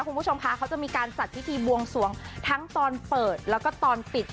คุณผู้ชมคะเขาจะมีการจัดพิธีบวงสวงทั้งตอนเปิดแล้วก็ตอนปิด